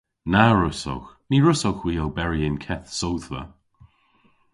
Na wrussowgh. Ny wrussowgh hwi oberi y'n keth sodhva.